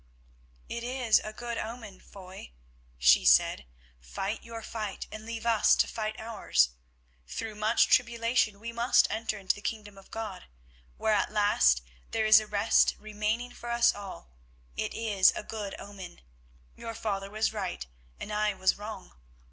"It is a good omen, Foy," she said. "Fight your fight and leave us to fight ours. 'Through much tribulation we must enter into the Kingdom of God,' where at last there is a rest remaining for us all. It is a good omen. Your father was right and I was wrong.